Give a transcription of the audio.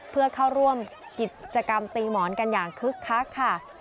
เพื่อเข้าร่วมกิจกรรมตีหมอนกันอย่างคึกคักค่ะ